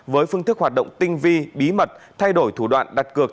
với phương thức hoạt động tinh vi bí mật thay đổi thủ đoạn đặt cược